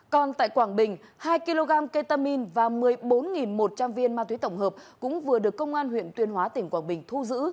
còn tại quảng bình hai kg ketamin và một mươi bốn một trăm linh viên ma túy tổng hợp cũng vừa được công an huyện tuyên hóa tỉnh quảng bình thu giữ